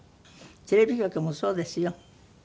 テレビ局もそうですよ。